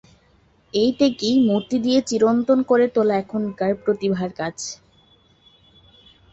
এইটেকেই মূর্তি দিয়ে চিরন্তন করে তোলা এখনকার প্রতিভার কাজ।